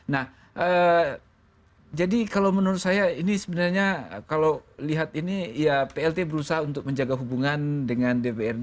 nah jadi kalau menurut saya ini sebenarnya kalau lihat ini ya plt berusaha untuk menjaga hubungan dengan dprd